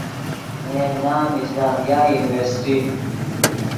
نے ین نام اسلامیہ یورنیورسٹی